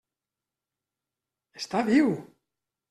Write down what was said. Està viu!